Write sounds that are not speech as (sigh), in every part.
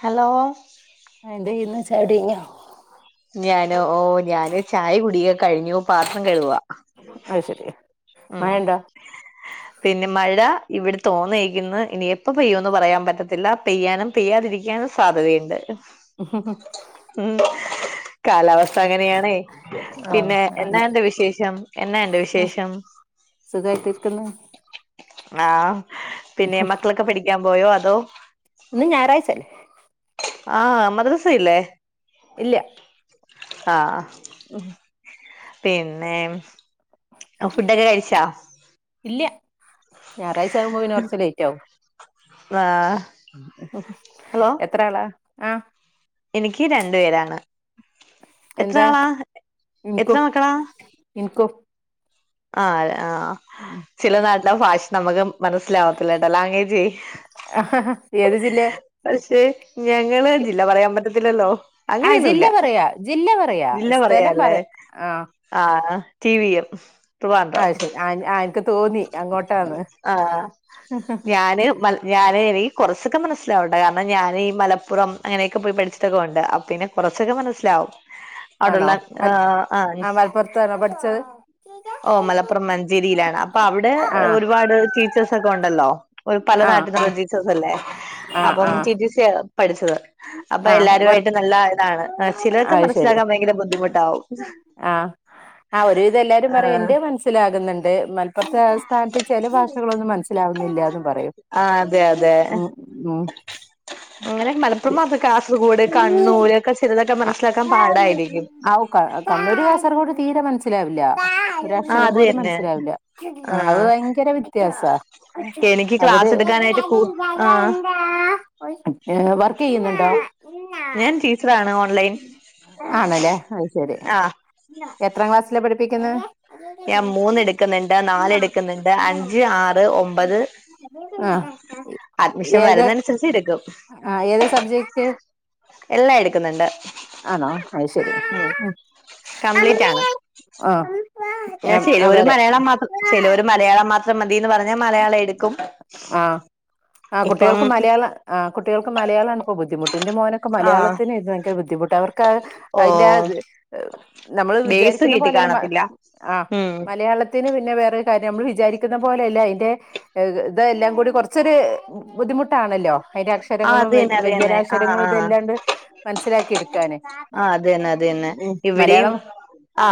Hello ആ എന്തെയ്ന്ന് ചായുടി കഴിഞ്ഞോ ഞാനോ ഓ ഞാന് ചായ കുടിയെ കഴിഞ്ഞു പാത്രം കഴുകുവ അഹ് ശെരി മയണ്ടാ പിന്നെ മഴ ഇവിട് തോന്നയിക്കിന്ന് ഇനി എപ്പ പെയ്യോ എന്ന് പറയാൻ പറ്റത്തില്ല പെയ്യാനും പെയ്യാതിരിക്കാനും സാധ്യതയിണ്ട് ഹ ഹ കാലാവസ്ഥ അങ്ങനെയാണേ ആ പിന്നെ എന്നാണ്ട് വിശേഷം എന്നാണ്ട് വിശേഷം സുഖായിട്ടിരിക്ക് ആഹ പിന്നെ മക്കളൊക്കെ പടിക്കാൻ പോയോ അതോ ഇന്ന് ഞായറാഴ്ചല്ലേ ആഹ് മദ്രസയില്ലേ ഇല്ല ആ ഉം പിന്നേം ഒ ഫുഡൊക്കെ കഴിച്ച ഇല്ല ഞായറാഴ്ച ആകുമ്പോ പിന്നെ കൊറച്ച് ലേറ്റ് ആവും വാ എത്ര ആളാ അ എനിക്ക് രണ്ടു പേരാണ് എത്ര എന്താ ആളാ എത്ര മക്കളാ ഇന്ക്കും ആഹ് അതെ ആഹ ഉം ചില നാട്ടിലെ ഫാഷ നമക്ക് മനസ്സിലാവാത്തില്ലേട്ട ലാംഗവേജ് ഏത് ജില്ലേ പക്ഷെ ഞങ്ങള് ജില്ല പറയാൻ പറ്റത്തില്ലല്ലോ ആ അങ്ങനെയൊന്നു ജില്ല ഇല്ല പറയാ ജില്ല പറയാ ജില്ല പറയാ സ്ഥലം പറ ലേ ആഹ് ആഹ് ടി വിയം അഹ് ശെരി ആന് ആന് ആഹ് ഞാന് മല് ഞാനെനി കൊറച്ചൊക്കെ മനസ്സിലാവുട്ട കാര്ണം ഞാൻ ഈ മലപ്പുറം അങ്ങനെയൊക്കെ പോയി പഠിച്ചിട്ടൊക്കെ ഒണ്ട്. അപ്പിന്നെ കൊറച്ചൊക്കെ മനസ്സിലാവും ആണോ ഔടള്ള ആഹ് ആ മലപ്പുറത്താണോ പഠിച്ചത് ഓ മലപ്പുറം മഞ്ചേരിയിലാണ് പ്പ അവിടെ ആഹ് ഒരുപാട് ടീച്ചേഴ്സ് ഒക്കെ ഒണ്ടല്ലോ ഒരു പല ആഹ് ആഹ് നാട്ടിന്നൊക്കെ (unintelligible) അല്ലേ ആഹ് അപ്പം ആഹ് ടിട്ടീ സിയാ പഠിച്ചത് അപ്പൊ ആഹ് വർ എല്ലാരുവായിട്ട് നല്ല ഇതാണ് ചിലർക്ക് അത് ശരി മനസ്സിലാക്കാൻ ഭയങ്കര ബുദ്ധിമുട്ടാവും ആഹ് ആ ഒരുവിധം എല്ലാരും പറയും ആഹ് എന്റെ മനസ് ത്തിലാകുന്ന്ണ്ട്. മലപ്പൊറ്ത്തെ ആസ്ഥാനത്ത് ചെല ഭാഷകളൊന്നും മന സ്സിലാവുന്നില്ലാന്നും പറയും ആഹ് അതെ അതെ ഉം ഉം അങ്ങനെ മലപ്പുറം മാത്ര കാസർഗോഡ് കണ്ണൂർ ഒക്കെ ചെലതൊക്കെ മനസ്സിലാക്കാൻ പാടായിരിക്കും ക കണ്ണൂര് കാസർകോട് തീരെ മൻസ ത്തിലാവില്ല ഒരു ആഹ് അക്ഷരം അത് പോലും തന്നെ മനസ്സിലാവില്ല ആഹ് അഹ് ഭയങ്കര വ്യത്യാസാ എനിക്ക് അവര് ക്ലാസ് എടുക്കാനായിട്ട് കൂ ആഹ് ഏഹ് വർക്കെയ്യ്ന്ന്ണ്ടോ ഞാൻ ടീച്ചറാണ് ഓൺലൈ ആണ്ല്ലേ. അത് ശരി ആഹ് എത്രാം ക്ലാസ്സിലാ പഠിപ്പിക്കുന്നെ ഞാൻ മൂന്ന് എടുക്ക്ന്ന്ണ്ട്. നാല് എടുക്ക്ന്ന്ണ്ട് അഞ്ച് ആറ് ഒമ്പത് ആഹ് അഡ്മിഷൻ ഏത് വരുന്നൻസരിച്ച് ഇട്ക്കും ആഹ് ഏതാ സബ്ജെക്റ്റ് എല്ലാം എട്ക്ക്ന്ന്ണ്ട് ആണോ അഹ് ശരി കംപ്ലീറ്റ് ആണ്. ന്നെ ആഹ് ചെലോര് അവര് മലയാളം മാത്രം ചെലോര് മലയാളം മാ മതിന്ന് പറഞ്ഞാ മലയാളം എട് ആഹ് ആഹ് ഇപ്പം കുട്ടികൾക്ക് മലയാളം ആഹ് കുട്ടികൾക്ക് മലയാളണ്പ്പോ ബുദ്ധിമുട്ട് ഇന്റെ മോന് ക്കെ ആഹ് മലയാളത്തിനേതു ഭയങ്കെര ബുദ്ധിമുട്ട് അവർക്ക് ഓ അയിന്റെത് (unintelligible) നമ്മൾ ബേസ് വിചാരിക്കുന്ന കിട്ടി പോലെല്ല മ കാണത്തില്ല ആഹ് ഉം മലയാള ത്തിന് പിന്നെ വേറൊരു കാര്യം അമ്മൾ വിചാരിക്കുന്ന പോലെയല്ല അയിന്റെ (unintelligible) ഇതെല്ലാം കൂടി കൊറച്ചൊരു ബുദ്ധിമുട്ടാണല്ലോ അയിന്റെ ആഹ് അക്ഷരങ്ങളും അത് വ തന്നെ അത് തന്നെ ആഹ് വ്യഞ്ജനാക്ഷരങ്ങളും ആഹ് ഇതെല്ലാണ്ട് മനസ്സിലാക്കി എട്ക്കാന് ആഹ് അതന്നെ അതന്നെ ഇവിടെയും ആ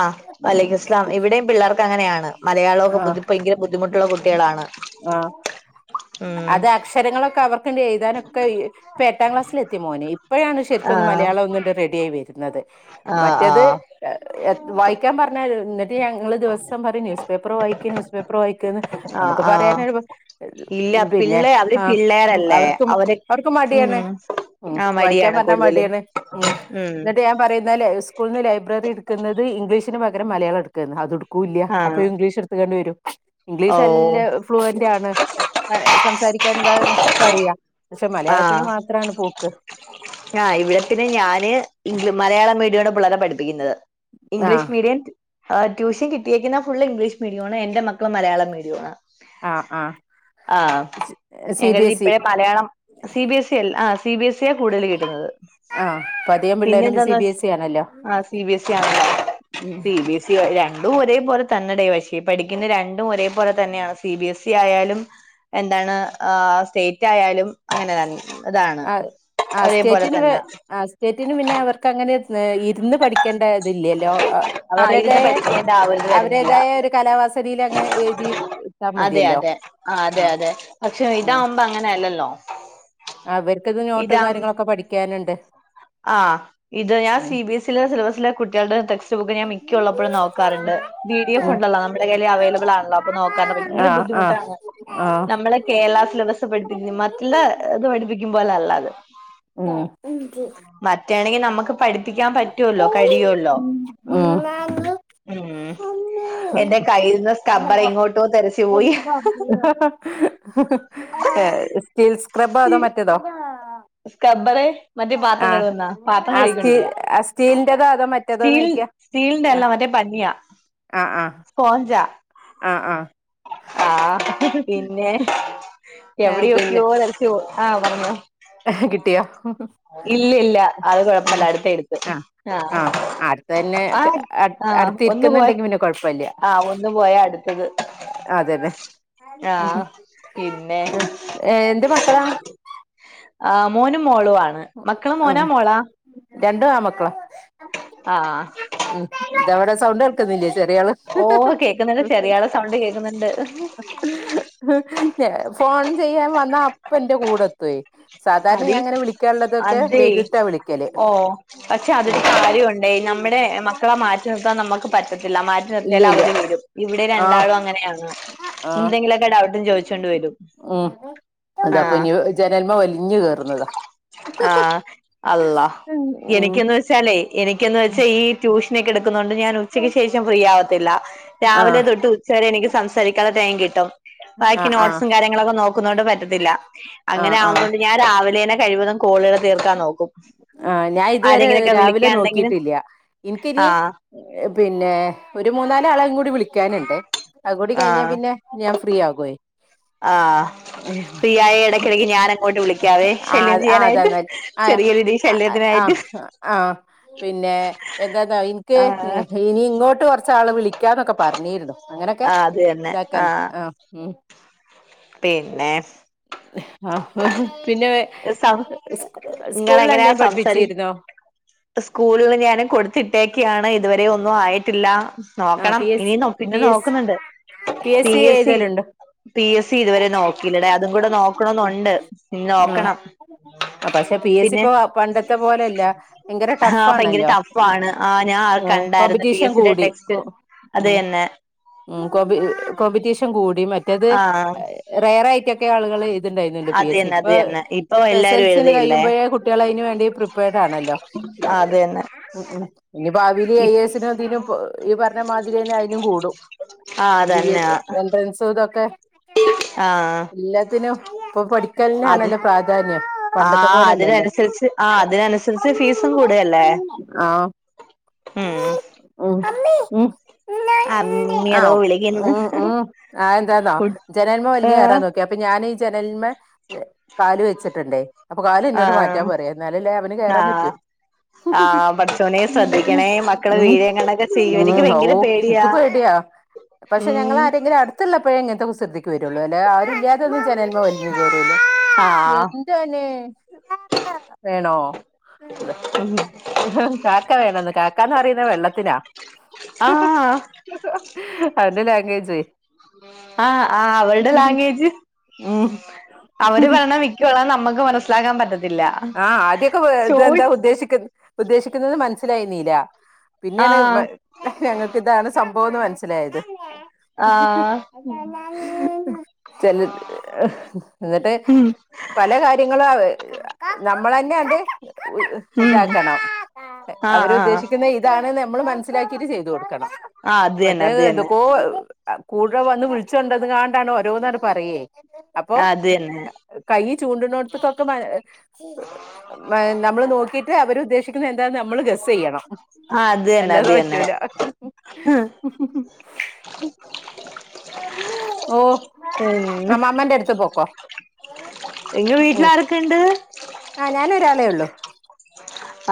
വലൈക്കുസ്ലാം ഇവിടെയും പിള്ളാർക്ക് ത്തങ്ങനെയാണ് മലയാളക്കെ ആഹ് ബുദ്ധി ഭയങ്കെര ബുദ്ധിമുട്ടുള്ള കുട്ട്യേളാണ് ഉം സ്ഥരങ്ങളൊക്കെ അവർക്ണ്ട് എഴുതാനൊക്കെ. ഇപ്പ എട്ടാം ക്ലാസ്സിലത്തി മോന് ഇപ്പഴാണ് ശരിക്കൊന്ന് ആഹ് മലയാളം ഒന്ന്ന്റെ റെഡി ആയി വര്ന്നത് ആഹ് മറ്റെത് ആഹ് എ വായിക്കാൻ പറഞ്ഞാ ഇന്നട്ട് ഞങ്ങള് ദിവസം പറിം ന്യൂസ് പേപ്പർ വായിക് ന്യൂസ് പേപ്പർ വായിക്ക്ന്ന്. ആഹ് നമുക്ക് ആഹ് പറയാനൊഴിവ് ഇല്ല പിന്നെ പിള്ളേ അവര് ആഹ് പിള്ളേരല്ലേ അവർക്ക് അവര് അവർക്കു മട്യാണ് ഉം ഉം ആ മടിയാണ് വായിക്ക്യാംപറഞ്ഞാ മടി കൂടുതലും ആണ് ഉം ഇന്നട്ട് ഞാൻ പറയുംന്നേല് സ് സ്കൂള്ന്ന് ലൈബ്രറി ഇട്ക്കുന്നത് ഇംഗ്ലീഷിന് പകരം മലയാളം ഇട്ക്കാ ന്ന്അതും ക്കൂല്ല അപ്പൊ ആഹ് ഇംഗ്ലീഷ് ഇട്ത്ത് ങ്ങാണ്ട് വരും ഓ ഇംഗ്ലീഷ് അല്ല ഫ്ലുവന്റ് ആണ്. സംസാരിക്കാനും താനുംക്കറിയാ. പക്ഷെ മലയാളത്തിന് മാത് ത്രാണ് പോക്ക് ആഹ് ഇവിടെ തന്നെ ഞാന് ഇ മലയാളം മീഡിയമാണ്‌ പിള്ളാരെ പഠിപ്പിക്കുന്നത് ആഹ് ഇംഗ്ലീഷ് മീഡിയന്റ് ആഹ് ട്യൂഷൻ കിട്ടിയേക്ക്ന്ന ഫുള്ള് ഇംഗ്ലീഷ് മീഡിയാണ്. എന്റെ മക്കള് മലയാളം മീഡിയൊ ആണ് ആഹ് ആഹ് ആഹ് സി എങ്ങനെ ബി എസ് ഇ രിപ്പെയേ മലയാളം സി ബിഎസ് അല് ആ സി ബി എസി കൂട (unintelligible) ല് ആഹ് ഇപ്പ അധികം പിള്ളേരും സി ബി കിട്ട്ന്നത്പിന്നെന്താന്നച്ച് എസ് ഇ ആണല്ലോ ആ സി ബി എസ് ഇ ആണല്ലോ ക് ഉം സി ബി എസ് ഇ രണ്ടും ഒരേപോലെ തന്നെടേ പക്ഷേ പഠിക്കുന്ന രണ്ടും ഒരേ പോലെ തന്നെയാണ് സി ബി എസ് ഇ ആയാലും എന്താണ് ആ സ്റ്റേറ്റ് ആയാലും അങ്ങനെ തന്നെ ഇതാണ് ആ ഒരേപോലെ സ്റ്റേറ്റിന് വേ തന്നെ സ്റ്റേറ്റിന് പിന്നെ അവർക്ക് അങ്ങനെ ഇരുന്ന് പഠിക്കേണ്ട ഇതില്ലല്ലോ ആ അവരെതെ ഇരുന്ന് പഠിക്കേണ്ട ആ ഒരിത് വരുന്നില്ല അവരേതായ ഒരു കലാവാസനീൽ അങ്ങനെ എഴുതി ഇട്ടാ അതെ മതിയല്ലോ അതെ ആ അതെ ആഹ് അതെ പക്ഷെ ഇതാവുമ്പോ അങ്ങനെ അല്ലല്ലോ അവർക്ക്ത് നോട്ടും ഇതാ കാര്യങ്ങളൊക്കെ പഠിക്കാന്ണ്ട് ആഹ്. ഇത് ഞാൻ സി ബി എസിലെ സിലബസിലെ കുട്ട്യേള്ടെ ടെസ്റ്റ്ബുക്ക് ഞാ മിക്ക ഉള്ളപ്പോഴും നോ കരന്റ് ബി ഡിഫ് ഉണ്ടല്ലോ നമ്മുടെ കയ്യില് അവൈലബിളാണല്ലോ അപ്പൊ നോക്കാതെ പോയി ങ്കിലും ആഹ് ആഹ് ബുദ്ധിമുട്ടാണ് ആഹ് നമ്മളെ കേരളാ സിലബസ് പഠിപ്പിക്കുന്നത് മറ്റുള്ള ഇത് പഠിപ്പിക്കുന്ന പോല അല്ലാ ഇത് ഉം. മറ്റാണെങ്കിൽ നമുക്ക് പഠിപ്പിക്കാൻ പറ്റുവല്ലോ കഴിയല്ലോ ഉം ഉം എന്റെ കയ്യിൽ നിന്ന് സ്ക്ബ്ബർ എങ്ങോട്ടോ തെറിച്ചു പോയി സ്റ്റീൽ സ്ക്രബോ അതോ മറ്റേതോ സ്കബ്ബർ മറ്റേ പാത്രം ആഹ് കഴന്നാ പാത്രം ആഹ് സ്റ്റീ കഴിക്കൊണ്ടിരിക്കാ ആഹ് സ്റ്റീലിന്റെതോ അതോ സ്റ്റീ മറ്റേതോന്ന് ചോയിക്കാ സ്റ്റീലിന്റെ എല്ലാം മറ്റേ പഞ്ഞിയാ ആഹ് ആഹ് സ്പോഞ്ചാ ആഹ് ആഹ് ആഹ് ഏഹ് എവിടെയോക്കിയോ (unintelligible) ആഹ വന്നു ആഹ് കിട്ടിയാ ഇല്ല അത് ഉം കൊഴപ്പല്ല അടുത്ത എടുത്ത് ആഹ ആഹ് ആഹ അടുത്ത തന്നെ ആഹ് അ ആഹ് ഒന്ന് പോയ അടുത്തിരിക്കുന്നുണ്ടെങ്കി പിന്നെ കുഴപ്പല്ല ആഹ് ഒന്ന് പോയാ അടുത്തത് അതെ അതെ ഉം ആഹ് പിന്നെ എന്ത്‌ മക്കളാ ആ മോനും മോളും ആണ് മക്കള് മോനാ മോളാ രണ്ടു ആമക്കളാ ആഹ് ഉം ഇതവിടെ സൗണ്ട് കേൾക്കുന്നില്ലേ ചെറിയള് ഓ കേക്കുന്നുണ്ട് ചെറിയള സൗണ്ട് കേക്കുന്നുണ്ട്. ഫോൺ ചെയ്യാൻ വന്ന അപ്പന്റെ കൂടെ എത്തേ സാധണ അതി ഞാങ്ങനെ വിളി അതെ ഓ പക്ഷെ ഉം അതൊരു കാര്യമുണ്ടേ നമ്മുടെ മക്ക മക്കളെ മാറ്റി നിർത്താൻ നമുക്ക് പറ്റത്തില്ല മാറ്റി ഇല്ല നിർത്തിയാൽ ഇല്ല അവര് വരും ഇവിടെ ആഹ് രണ്ടാളും അങ്ങനെയാണ് ആഹ് എന്തെങ്കിലുമൊക്കെ ഡൗട്ടും ചോദിച്ചോണ്ട് വരും. ഉം അത ഇപ്പൊ ആഹ് ഇനി ജനന്മ വലിഞ്ഞഞ് കയറുന്നതാ ആഹ അല്ല ഉം എനിക്കന്ന് (unintelligible) എനിക്കന്ന് വെച്ചാ ഈ ട്യൂഷൻ ഒക്കെ എടുക്കുന്നുണ്ട് ഞൻ ഉച്ച ഉച്ചയ്ക്ക് ശേഷം ഫ്രീ ആവത്തില്ല രാവിലെ ആഹ് തൊട്ട് ഉച്ച വരെ എനിക്ക് സംസാരിക്കാുള്ളെ ടൈം കിട്ടും. ബാക്കി ആഹ് ആഹ് നോട്ട്സും കാര്യങ്ങളൊക്കെ നോക്കുന്നൊണ്ട് പറ്റത്തില്ല അങ്ങനെ ആഹ് ആവുമ്പോ ആഹ് ഞാൻ രാവിലെനെ കഴിവതും കോളുകൾ തീർക്കാൻ നോക്കും ആ ഞാൻ ഇതുവരെ ആരെങ്കിലൊക്കെ രാവിലെ വിളിക്കാണ്ടെങ്കിലും നോക്കിട്ടില്ല എനിക്കിനി ആഹ് പിന്നെ ഒരു മൂന്നാല് ആളുംകൂടി വിളിക്കാനുണ്ട് അതും കൂടി കഴിഞ്ഞാ ആഹ് പിന്നെ ഞാൻ ഫ്രീ ആകും. ആഹ് ഫ്രീയായ ഇടയ്ക്കിടക്ക് ഞാൻ അങ്ങോട്ട് വിളിക്കാവേ ആ ശല്യം ആ ചെയ്യാനായിട്ട് അതാന്ന ആ ചെറിയൊരു ആ ആ ആ പിന്നെ എന്താന്നോ എനിക്ക് ആഹ് ഇനി ഇങ്ങോട്ട് കുറച്ച് ആള് വിളിക്ക വിളിക്കാന്നൊക്കെ പറഞ്ഞിരുന്നു അങ്ങനെയൊക്കെ ആഹ് അത് തന്നെ ഇതാക്കൻ ആഹ് ഉം പിന്നെ ആ പിന്നെ സ്കൂളിൽ പഠിപ്പിച്ചിരുന്നോ (unintelligible) സ്കൂളിൽ ഞൻ കൊടുത്തിട്ടേ ക്കാണ് ഇതുവരെ ഒന്നും ആയിട്ടില്ല ആ നോക്കണം പി എസ് ഇനി പിന്നെ പി എസ് നോക്കുന്നുണ്ട് പി എസ് സി ഏഴുതലുണ്ടോ പി എസ് സി ഇതുവരെ നോക്കില്ലട അതും കൂടെ നോക്കണന്നുണ്ട് ഇനി ആ നോക്കണം ആ പക്ഷെ പി എസ് സി പിന്നെ ഇപ്പൊ പണ്ടത്തെ പോലെല്ല ഭയങ്കര ആഹ ഭയങ്കര ടഫാണല്ലോ ടഫ് ടഫ് ആണ് ആഹ് ഞാൻ അത് കണ്ടായിരുന്ന പി കോമ്പറ്റീഷൻ എസ് സിയുടെ കൂടി ടെക്സ്റ്റ് അത് ഉം തന്നെ ഉം കോമ്പറ്റീഷൻ കൂടി മറ്റേത് ആ റയറയിട്ടൊക്കെ മിക്ക ആളുകള് എഴുതുന്ന് ഉണ്ടായിരുന്നല്ലോ പി അത് എസ് സി തന്നെ അത് ഇപ്പൊ തന്നെ ഇപ്പൊ ഇപ്പോ എസ് എല്ലാരും എസ് എൽ സി എഴുതയില്ലേ കഴിയുമ്പോഴേ കുട്ടികൾ അതിന് വേണ്ടി പ്രിപ്പയേർഡ് ആണല്ലോ ആ അത് തന്നെ ഉം ഉം ഇനി ഭാവില് ഇ ഐ എ എസിനും ഇതിനും പോ ഈ പറഞ്ഞ മാതിരിയന്നെ അതിനും കൂടും ആ എം ബി എ അതന്നെ എൻട്രൻസും തൊക്കെ ആ എല്ലാത്തിനും ഇപ്പൊ പഠിക്കലിനാണല്ലോ പ്രാധാന്യം പണ്ടത്തെ ആഹ് പോലെല്ലല്ലോ അതിനനുസരിച്ച് ആഹ് അതിനനുസരിച്ച് ഫീസും കൂടല്ലേ ആഹ് ഉം ഉം ഉം അമ്മി ആഹ് അതോ ഓക്കേ വിളിക്കുന്നു ഉം ഉം ആഹ് ന്താന്നോ ജനലിൽ മേ ആ വലിഞ്ഞു കേറാൻ നോക്കി അപ്പൊ ഞാനീ ജനലിമ്മേ കാല് വെച്ചിട്ടുണ്ടേ അപ്പൊ കാല് ആ എന്നോട് മാറ്റാൻ പറയാ എന്നാലല്ലേ അവന് ആ കേറാൻ പറ്റു ആ പഠച്ചോനെ ഉം ശ്രദ്ധിക്കണേ മക്കള് വീഴെങ്ങാനൊക്കെ ചെയ്യും എനിക്ക് ഭയങ്കര ഓഹ് ഇക്ക് പേടിയാ പക്ഷെ ഉം ഞങ്ങള് ആരെങ്കിലും അടുത്തുള്ളപ്പോഴേ ഇങ്ങനത്തെ കുസൃതി ക്ക്‌ വേരോള്ളൂ അല്ലാതെ ആരുല്ലാത്തൊന്നും ജനലിമ്മേ വലിഞ് കേറൂല ആഹ് എന്തന്നെ വേണോ ഉം കാക്ക വേണന്ന് കാക്കന്ന് പറയുന്ന വെള്ളത്തിനാ ആഹ് അവന്റ ലാംഗ്വേജ് ആഹ് ആഹ് അവള്ടെ ലാംഗ്വേജ് ഉം അവര് പറയാണ വി കി ള്ള നമുക്ക് മനസ്സിലാക്കാൻ പറ്റ ആഹ് ആദ്യൊക്കെ വേർതെ ഇതെന്താ ഉദ്ദേശിക്ക ഉദ്ദേശിക്കുന്നത് ന്ന് മനസ്സിലായിന്നീല പിന്നെണ് ആഹ് ഞങ്ങൾക്ക് ഇതാണ് സംഭവം എന്ന് മനസ്സിലായത് ആഹ് ചെല ഹ് എന്നിട്ട് ഉം പല കാര്യങ്ങള് അവ്വ് നമ്മളന്നെ അത് ഉം ഇതാക്കണം ആഹ് ആഹ് അവരുദ്ദേശിക്കുന്ന ഇതാണ് ന്ന് നമ്മൾ മനസ്സിലാക്കിട്ട് ചെയ്തൊടുക്കണം ആഹ് അത് തന്നെ മറ്റേത് എന്തൊക്കോ കൂടെ വന്ന് വിളിച്ചോണ്ടെന്ന് കാണ്ടാണ് ഓരോന്നങ്ങ് പറയേ അപ്പൊ അത് തന്നെ കൈ ചുണ്ട്ണ്ണോട്ടത്തക്കൊക്കെ മാ നമ്മൾ നോക്കി അവർ ഉദ്ദേശിക്കുന്ന എന്താണ് നമ്മള് ഗസ്- സ്ചെയ്യണം ആഹ് അത് തന്നെ ആഹ് അത് തന്നെ അല്ലാതെ അത് തന്നെ പറ്റൂല ഓ പിന്നെ മ്മമ്മന്റെ അടുത്ത് പോക്കോ നിങ്ങ വീട്ടിൽ ആരൊക്കെ ണ്ട് ആഹ് ഞാനൊരാളെ ഒള്ളു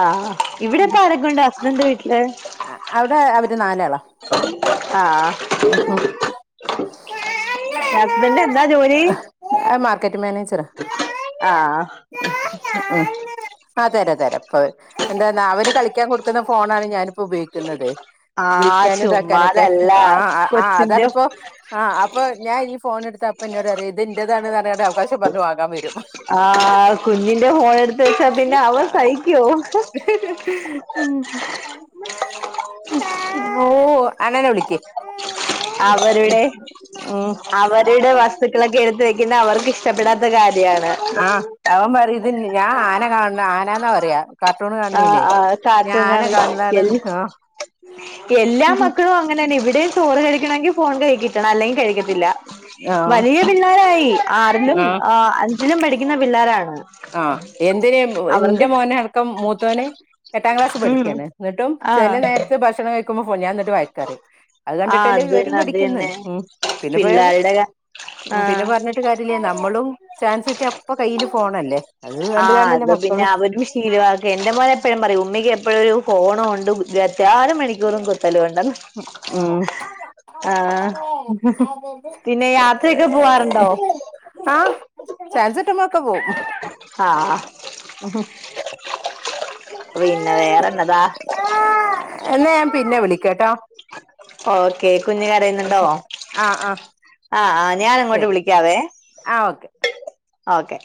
ആഹ് ഇവിടെപ്പൊ ആരൊക്കെ ഉണ്ട് ഹസ്ബൻഡ് ൻ്റെ വീട്ടില് അഹ് അവിടെ അവര് നാലാള ആഹ് ഹസ്ബന്ഡ് എന്താ ജോലി അത് മർക്കറ്റിങ്ങ് മാനേജറ ആഹ് ഉം ആഹ് തരാ തരാം പ്പ എന്താന്നാ അവന് കളിക്കാൻ കൊടുക്കുന്ന ഫോണാണ് ഞാനിപ്പോ ഉപയോഗിക്കുന്നത് ആഹ് വിളിക്കാനും ഇതാക്കാനൊക്കെ ചുമ്മാതല്ല ആഹ് ആഹ് അതാണ് കൊച്ചിന്റെ ആഹ് അപ്പൊ ഞാൻ ഈ ഫോൺ എടുത്ത അപ്പ ഇന്നോടറിയും ഇത് ന്റേതാണെന്ന് പറഞ്ഞ്ക്കാണ്ട് അവകാശം പറഞ്ഞു വാങ്ങാൻ വരും ആഹ് കുഞ്ഞിന്റെ ഫോൺ എടുത്ത് വെച്ചാ പിന്നെ അവൻ സഹിക്കോ ഉം ഓ അങ്ങനെ വിളിക്കി അവരുടെ അവരുടെ വസ്തുക്കളൊക്കെ എടുത്ത് വെക്കുന്നത് അവർക്ക് ഇഷ്ടപ്പെടാത്ത കാര്യാണ് ആ അവൻ പറയുന്ന ഇതി ഞാൻ ആന കാണണ് ആനന്നാ പറയാ കാർട്ടൂണ് ആഹ് കാണണീനേ ആഹ് കാർട്ടൂൺ ഞാആന കാണി കാണുന്നാണ് എൽ ഓ എല്ലാ മക്കളും അങ്ങനെന്നെ ഇവിടെയും ചോറ് കഴിക്കണങ്കിൽ ഫോൺ കയ്യി കിട്ടണം അല്ലെങ്കിൽ കഴിക്കത്തില്ല ആ ആ വലിയ പിള്ളേരായി ആറിലും ആ ആഹ് അഞ്ചിലും പഠിക്കുന്ന പിള്ളേരാണ് ആഹ് എന്തിന അവർക്ക് എന്റെ മോന അടക്കം മൂ മത്തോന് എട്ടാം ക്ലാസ് ഉം പഠിക്കുകയാണ് എന്നിട്ടും ആഹ് ചില നേരത്തെ ഭക്ഷണം കഴ ക്കുമ്പ ഞാൻ എന്നിട്ട് വാഴക്കാറിയും അത് ആഹ് കണ്ടിട്ടല്ലേ ഇവരും തന്നെ അത് പഠിക്കുന്നു തന്നെ ഉം പിന്നെ പോയാ പിള്ളേരുടെ ആഹ് ക നമ്മളും ചാൻസ് കിട്ടി അപ്പൊ കയ്യിൽ ഫോണല്ലേ അത് കണ്ട് ആഹ് കണ്ടല്ലേ അത് പിന്നെ മക്കളും അവര് ശീലവാ ഓ എന്റെ മോനെ എപ്പോഴും പറയും ഉമ്മിക്ക് എപ്പോഴും ഒരു ഫോണുണ്ട് വെ മണിക്കൂറും കുത്തല ഉണ്ടന്ന് ഉം ആഹ് പിന്നെ യാത്രയൊക്കെ പോവാറുണ്ടോ ആഹ് ചാൻസ് കിട്ടുമ്പളൊക്കെ പോവും ആഹ് (inaudible) പിന്നെ വേറെന്നതാ എന്നാ ഞാൻ പിന്നെ വിളിക്കട്ടോ ഓക്കെ കുഞ്ഞ് കരയുന്നുണ്ടോ ആഹ് ആഹ് ആഹ് ആഹ് ഞാന് അങ്ങോട്ട് ശരി വിളിക്കാവേ ആഹ് ഓക്കെ ഓക്കെ